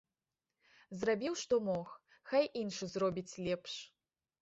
Зрабіў, што мог, хай іншы зробіць лепш.